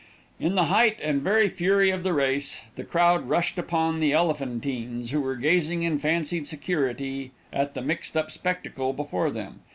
In the height and very fury of the race, the crowd rushed upon the Elephantines, who were gazing in fancied security at the mixed up spectacle before them.